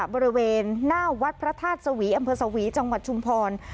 บริเวณหน้าวัดพระธาตุสวีอำเภอสวีจังหวัดชุมพร